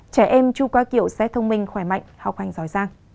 trẻ em chui qua kiệu sẽ thông minh khỏe mạnh học hành giỏi giang